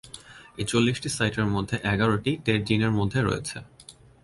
এই চল্লিশটি সাইটের মধ্যে এগারটি টেট জিনের মধ্যে রয়েছে।